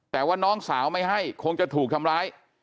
แต่ว่าน้องสาวไม่ให้คงจะถูกทำร้าย